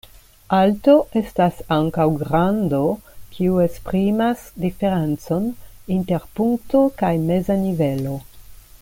Alto estas ankaŭ grando, kio esprimas diferencon inter punkto kaj meza nivelo.